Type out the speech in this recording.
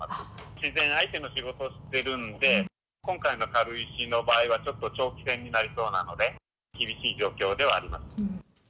自然相手の仕事をしてるんで、今回の軽石の場合は、ちょっと長期戦になりそうなので、厳しい状況ではあります。